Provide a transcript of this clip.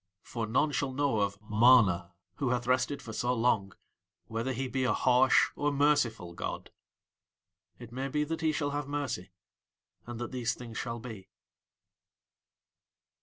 For none shall know of MANA who hath rested for so long, whether he be a harsh or merciful god. It may be that he shall have mercy, and that these things shall be.